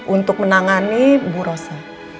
untuk menangani bu rosa